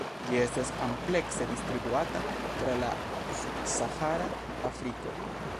Ĝi estas amplekse distribuata tra la subsahara Afriko.